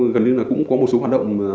gần như là cũng có một số hoạt động